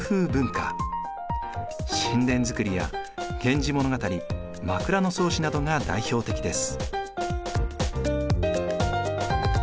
寝殿造や「源氏物語」「枕草子」などが代表的です。